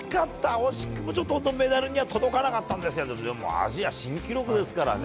惜しくもメダルには届かなかったんですがでも、アジア新記録ですからね。